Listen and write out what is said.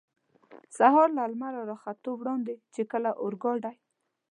سهار له لمر را ختو وړاندې، چې کله اورګاډی.